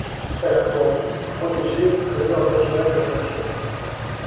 Elle a pour but de protéger les trésors naturels de la région.